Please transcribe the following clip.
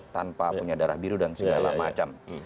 tanpa punya darah biru dan segala macam